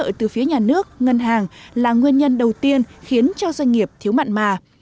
lợi từ phía nhà nước ngân hàng là nguyên nhân đầu tiên khiến cho doanh nghiệp thiếu mặn mà